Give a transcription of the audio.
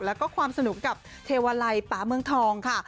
แล้วก็ความสนุกกับเทวาลัยป่าเมืองทองค่ะ